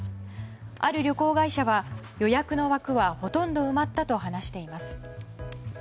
ある旅行会社は予約の枠はほとんど埋まったと話しています。